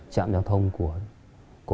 mong anh hợp tác